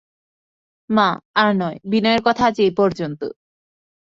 মা, আর নয়, বিনয়ের কথা আজ এই পর্যন্ত।